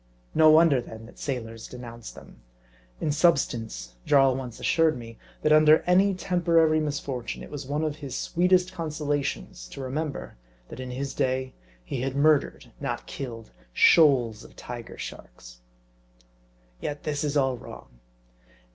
No wonder, then, that sailors denounce them. In substance, Jarl once assured me, that under any 'temporary misfortune, it was one of his sweet est consolations to remember, that in his day, he had mur dered, not killed, shoals of Tiger Sharks. Yet this is all wrong.